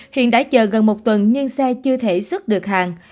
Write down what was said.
hiện đã chờ gần một tuần nhưng xe chưa thể xuất được hàng